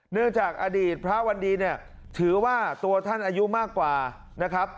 เนื่องจากอดีตพระวันดีถือว่าตัวท่านอายุมากกว่า